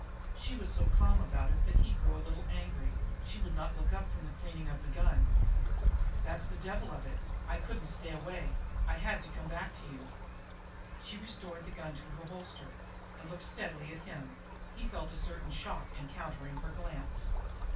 She was so calm about it that he grew a little angry; she would not look up from the cleaning of the gun. "That's the devil of it; I couldn't stay away. I had to come back to you." She restored the gun to her holster and looked steadily at him; he felt a certain shock in countering her glance.